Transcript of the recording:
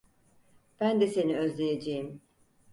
Ben de seni özleyeceğim.